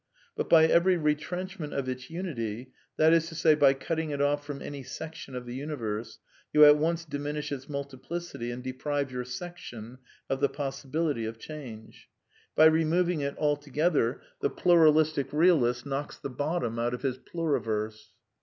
But by every retrench ment of its unity — that is to say, by cutting it off from any section of the universe — you at once diminish its multiplicity and deprive your section of the possibility of change. By removing it altogether, the pluralistic realist knocks the bottom out of his pluriverse.